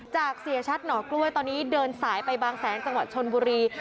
เสียชัดหนอกล้วยตอนนี้เดินสายไปบางแสนจังหวัดชนบุรี